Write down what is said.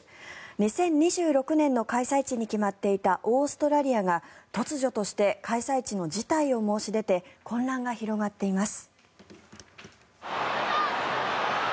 ２０２６年の開催地に決まっていたオーストラリアが突如として開催地の辞退を申し出て混乱が広がっています。